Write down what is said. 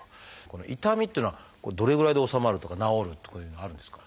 この痛みというのはどれぐらいで治まるとか治るとかいうのはあるんですか？